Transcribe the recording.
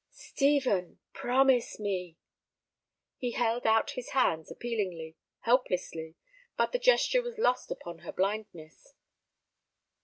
"Stephen, promise me." He held out his hands appealingly, helplessly; but the gesture was lost upon her blindness.